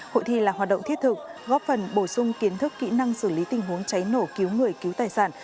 hội thi là hoạt động thiết thực góp phần bổ sung kiến thức kỹ năng xử lý tình huống cháy nổ cứu người cứu tài sản